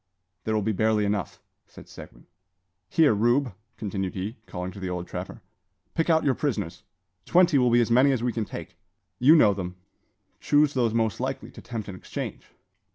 "There will be barely enough," said Seguin. "Here, Rube," continued he, calling to the old trapper; "pick out your prisoners. Twenty will be as many as we can take. You know them: chose those most likely to tempt an exchange."